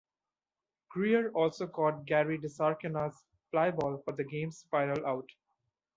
Greer also caught Gary DiSarcina's fly ball for the game's final out.